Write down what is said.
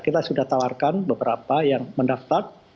kita sudah tawarkan beberapa yang mendaftar